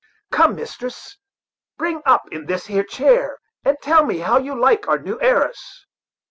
Come, mistress, bring up in this here chair, and tell me how you like our new heiress."